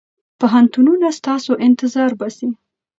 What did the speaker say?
پوهنتونونه ستاسو انتظار باسي.